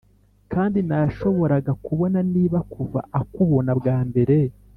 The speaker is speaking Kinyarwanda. kandi nashoboraga kubona niba kuva akubona bwa mbere,